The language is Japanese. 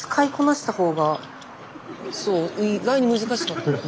スタジオそう意外に難しかったです。